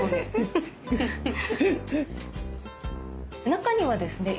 中にはですね